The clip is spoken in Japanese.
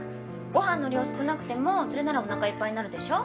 ご飯の量少なくてもそれならおなかいっぱいになるでしょ。